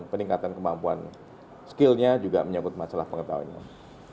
peningkatan kemampuan skillnya juga menyangkut masalah pengetahuan